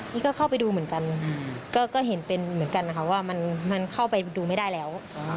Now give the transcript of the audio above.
นี่ก็เข้าไปดูเหมือนกันก็เห็นเป็นเหมือนกันนะคะว่ามันเข้าไปดูไม่ได้แล้ว